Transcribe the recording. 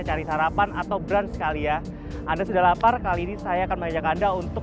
cari sarapan atau brun sekali ya anda sudah lapar kali ini saya akan mengajak anda untuk